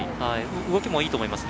動きもいいと思います。